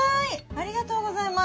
ありがとうございます。